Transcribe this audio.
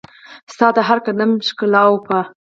ستا د هرقدم ښکالو به